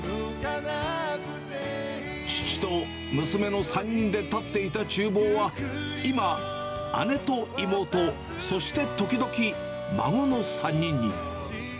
父と娘の３人で立っていたちゅう房は、今、姉と妹、そして時々孫の３人に。